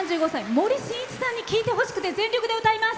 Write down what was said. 森進一さんに聴いてほしくて全力で歌います。